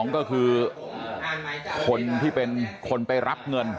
ก็คือคนที่เป็นคนไปรับเงิน